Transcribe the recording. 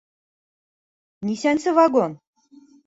Нисәнсе вагон?